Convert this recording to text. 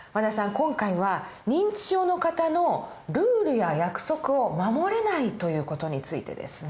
今回は認知症の方のルールや約束を守れないという事についてですね。